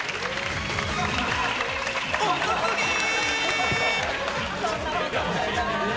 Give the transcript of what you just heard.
遅すぎー！